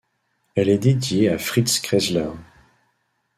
Elle est dédiée à Fritz Kreisler.